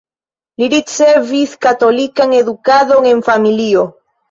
Li ricevis katolikan edukadon en familio.